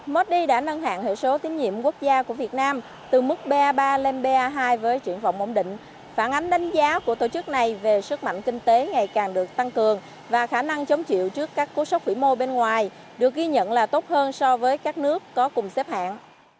modi đã nâng hạng hiệu số tín nhiệm quốc gia của việt nam từ mức ba ba lên ba hai với triển vọng ổn định phản ánh đánh giá của tổ chức này về sức mạnh kinh tế ngày càng được tăng cường và khả năng chống chịu trước các cú sốc phỉ mô bên ngoài được ghi nhận là tốt hơn so với các nước có cùng xếp hạng